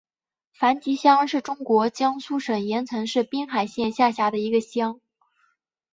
樊集乡是中国江苏省盐城市滨海县下辖的一个乡。